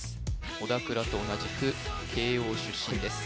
小田倉と同じく慶應出身です